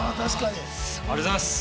ありがとうございます。